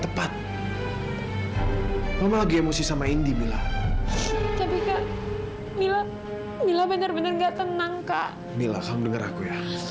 tepat lagi emosi sama indi mila mila mila bener bener gak tenang kak mila kamu denger aku